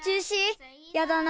やだな。